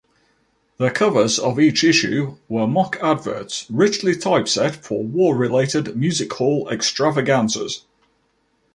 The covers of each issue were mock adverts, richly typeset, for war-related music-hall extravaganzas.